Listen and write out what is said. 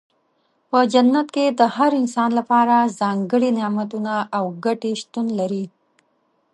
په جنت کې د هر انسان لپاره ځانګړي نعمتونه او ګټې شتون لري.